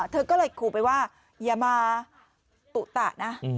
เธอก็เลยขู่ไปว่าอย่ามาตุตะนะ